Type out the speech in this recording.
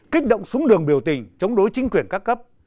kích động xuống đường biểu tình chống đối chính quyền các cấp